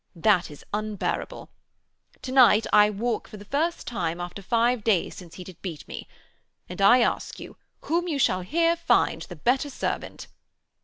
That is unbearable. To night I walk for the first time after five days since he did beat me. And I ask you whom you shall here find the better servant?'